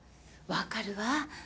わかるわ。